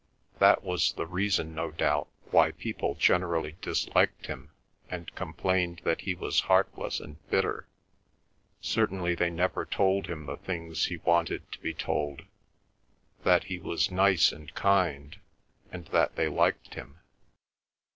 That was the reason, no doubt, why people generally disliked him, and complained that he was heartless and bitter. Certainly they never told him the things he wanted to be told, that he was nice and kind, and that they liked him.